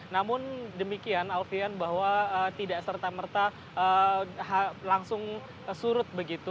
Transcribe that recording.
namun demikian alfian bahwa tidak serta merta langsung surut begitu